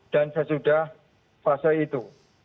dan sesudah fase itu